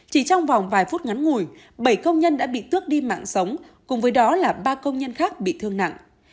chỉ trong vòng vài phút ngắn ngủi bảy công nhân đã bị tước đi mạng sống cùng với đó là ba công nhân khác bị thương nặng